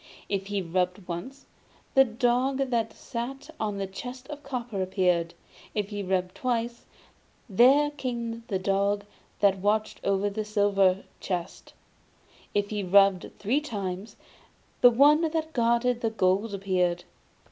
If he rubbed once, the dog that sat on the chest of copper appeared; if he rubbed twice, there came the dog that watched over the silver chest; and if he rubbed three times, the one that guarded the gold appeared.